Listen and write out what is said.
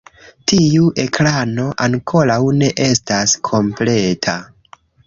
Tiu ekrano ankoraŭ ne estas kompleta.